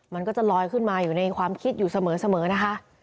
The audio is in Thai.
มันก็จะลอยขึ้นมาอยู่ในความคิดอยู่เสมอนะคะ